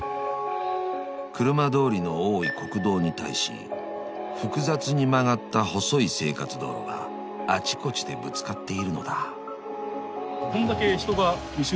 ［車通りの多い国道に対し複雑に曲がった細い生活道路があちこちでぶつかっているのだ］